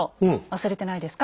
忘れてないですか？